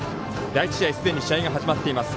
第１試合すでに試合が始まっています。